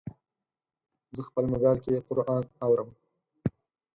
زه خپل موبایل کې قرآن اورم.